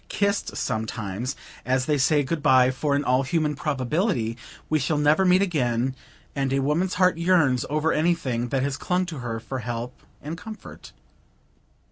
kissed sometimes, as they say, good bye; for in all human probability we shall never meet again, and a woman's heart yearns over anything that has clung to her for help and comfort.